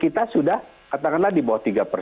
kalau menunjukkan juga sudah tidak ada kasus bur